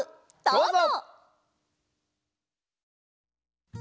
どうぞ！